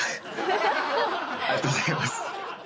ありがとうございます。